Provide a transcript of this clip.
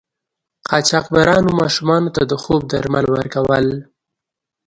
قاچاقبرانو ماشومانو ته د خوب درمل ورکول.